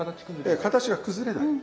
ええ形が崩れない。